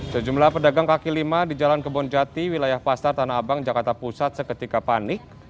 sejumlah pedagang kaki lima di jalan kebonjati wilayah pasar tanah abang jakarta pusat seketika panik